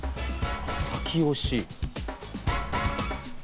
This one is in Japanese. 「先押し」。